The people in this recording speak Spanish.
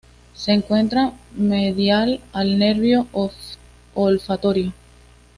Se encuentra medial al nervio olfatorio.